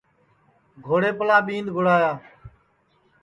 گھوڑیپلا ٻِیند گُڑایا